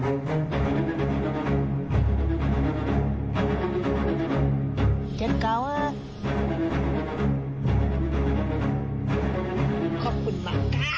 ขอบคุณมากค่ะ